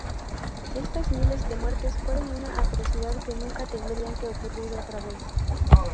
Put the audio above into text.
Estas miles de muertes fueron una atrocidad que nunca tendrían que ocurrir otra vez.